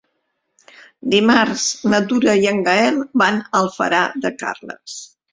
Dimarts na Tura i en Gaël van a Alfara de Carles.